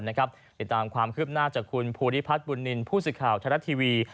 ติดตามความคืบหน้าจากคุณภูริพัฒน์บุญนินทร์ผู้สื่อข่าวทรัฐทีวี